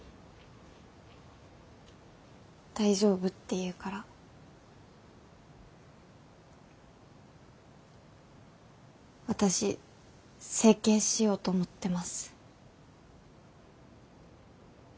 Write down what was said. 大丈夫って言うから私整形しようと思ってます。